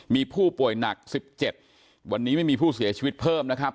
มีผู้ป่วยหนัก๑๗วันนี้ไม่มีผู้เสียชีวิตเพิ่มนะครับ